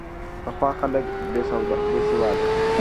پخوا خلک بې سواده وو.